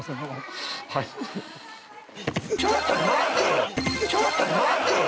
ちょっと待てぃ！！